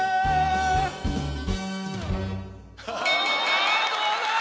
さぁどうだ？